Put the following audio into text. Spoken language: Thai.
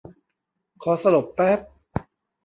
ขอสลบแป๊บ